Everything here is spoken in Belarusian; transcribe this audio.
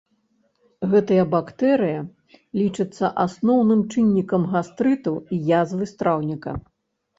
Гэтая бактэрыя лічыцца асноўным чыннікам гастрыту і язвы страўніка.